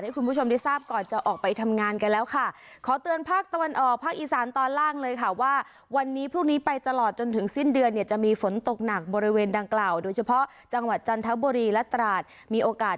ให้คุณผู้ชมได้ทราบก่อนจะออกไปทำงานกันแล้วค่ะ